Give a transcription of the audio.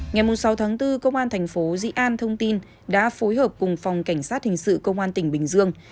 ngày sáu tháng bốn công an thành phố dị an thông tin đã phối hợp cùng phòng cảnh sát hình sự công an tỉnh bình dương